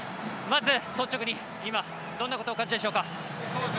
まず率直に今どんなことお感じでしょうか。